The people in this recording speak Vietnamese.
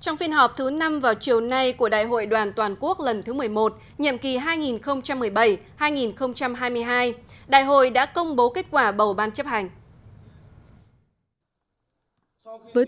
trong phiên họp thứ năm vào chiều nay của đại hội đoàn toàn quốc lần thứ một mươi một